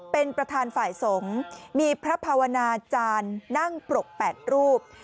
เป็นประธานฝ่ายสงฆ์มีพระภาวนาจารย์นั่งปรก๘รูป